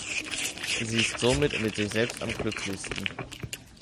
Sie ist somit mit sich selbst am glücklichsten.